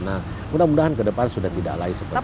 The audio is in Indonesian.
nah mudah mudahan kedepan sudah tidak lagi seperti itu